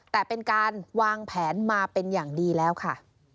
แต่เป็นการวางแผนมาเป็นอย่างดีแล้วค่ะ